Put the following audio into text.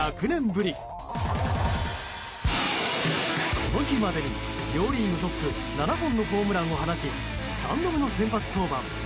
この日までに両リーグトップ７本のホームランを放ち３度目の先発登板。